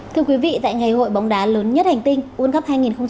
thưa quý vị tại ngày hội bóng đá lớn nhất hành tinh uôn gấp hai nghìn hai mươi hai